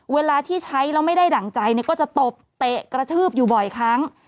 เวลาที่ใช้แล้วไม่ได้ดั่งใจก็จะตบเตะกระทืบอยู่บ่อยครั้ง